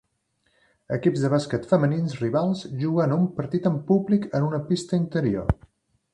Equips de bàsquet femenins rivals jugant un partit amb públic en una pista interior